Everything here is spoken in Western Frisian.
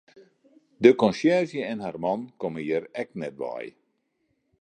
De konsjerzje en har man komme hjir ek net wei.